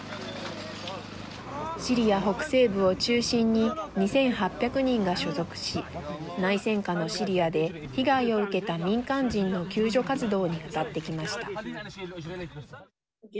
シリア北西部を中心に２８００人が所属し内戦下のシリアで被害を受けた民間人の救助活動に当たってきました。